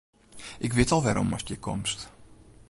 Ik wit al wêrom ast hjir komst.